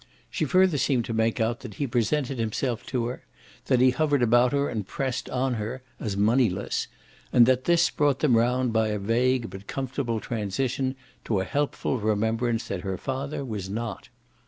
She further seemed to make out that he presented himself to her, that he hovered about her and pressed on her, as moneyless, and that this brought them round by a vague but comfortable transition to a helpful remembrance that her father was not.